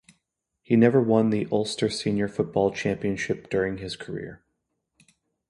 He never won the Ulster Senior Football Championship during his career.